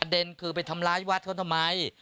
เด็นคือไปทำร้ายวัดเขาทำไม